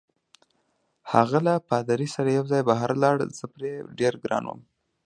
هغه له پادري سره یوځای بهر ولاړ، زه پرې ډېر ګران وم.